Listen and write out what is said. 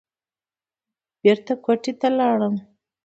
بېرته کوټې ته لاړم.